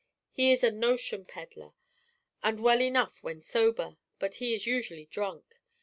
He is a notion peddler, and well enough when sober, but he is usually drunk.